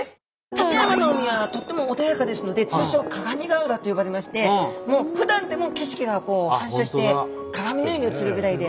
館山の海はとっても穏やかですので通称「鏡ヶ浦」と呼ばれましてふだんでも景色が反射して鏡のように映るぐらいで。